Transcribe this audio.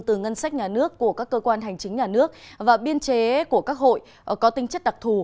từ ngân sách nhà nước của các cơ quan hành chính nhà nước và biên chế của các hội có tinh chất đặc thù